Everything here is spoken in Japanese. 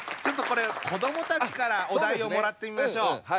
ちょっとこれ子どもたちからお題をもらってみましょう。